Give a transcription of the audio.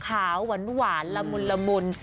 ขาวหวานละมุน